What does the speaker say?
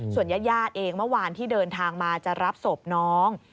ส่วนญาติเองเมื่อวานที่เดินทางมาจะรับศพน้อง